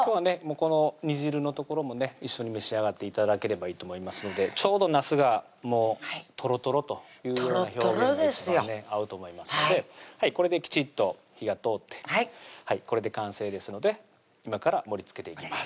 この煮汁のところもね一緒に召し上がって頂ければいいと思いますのでちょうどなすがもうとろとろというような表現が一番ね合うと思いますのでこれできちっと火が通ってこれで完成ですので今から盛りつけていきます